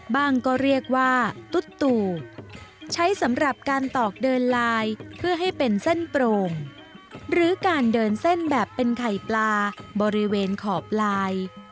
ก็เรียกว่าตุ๊ดตู่ใช้สำหรับการตอกเดินลายเพื่อให้เป็นเส้นโปร่งหรือการเดินเส้นแบบเป็นไข่ปลาบริเวณขอบลาย